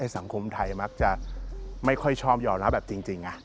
สังคมไทยมักจะไม่ค่อยชอบยอมรับแบบจริง